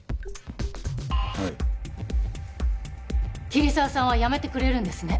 桐沢さんは辞めてくれるんですね？